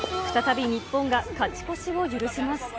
再び日本が勝ち越しを許します。